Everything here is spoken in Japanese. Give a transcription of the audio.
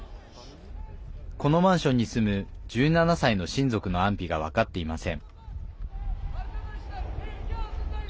このマンションに住む、１７歳の親族の安否が分かっていません。